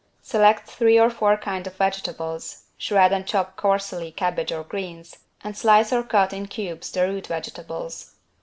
Select three or four kind of vegetables, shred or chop coarsely cabbage or greens, and slice or cut in cubes the root vegetables.